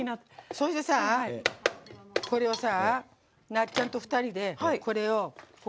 そしてさ、これをさなっちゃんと２人で。